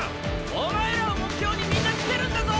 お前らを目標にみんな来てるんだぞ！